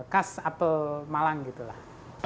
kas apple malang gitu lah